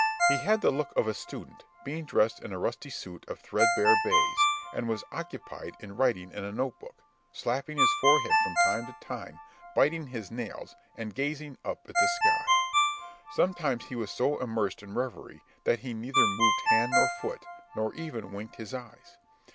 He had the look of a student, being dressed in a rusty suit of threadbare baize, and was occupied in writing in a note book, slapping his forehead from time to time, biting his nails, and gazing up at the sky. Sometimes he was so immersed in reverie, that he neither moved hand nor foot, nor even winked his eyes.